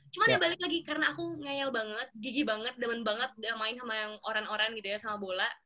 cuma ya balik lagi karena aku ngeyel banget gigi banget demen banget udah main sama yang orang orang gitu ya sama bola